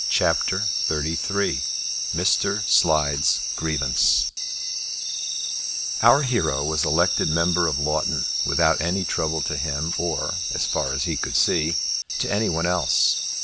CHAPTER XXXIII Mr. Slide's Grievance Our hero was elected member for Loughton without any trouble to him or, as far as he could see, to any one else.